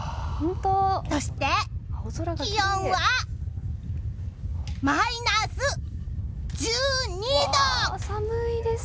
そして、気温はマイナス１２度！